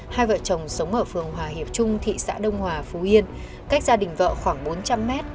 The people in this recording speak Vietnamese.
hai vợ chồng sống ở phường hòa hiệp trung thị xã đông hòa phú yên cách gia đình vợ khoảng bốn trăm linh m